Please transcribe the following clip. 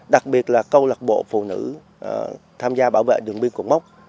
đặc biệt là câu lạc bộ phụ nữ tham gia bảo vệ đường biên cột mốc